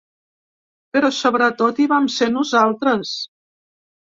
Però sobretot hi vam ser nosaltres.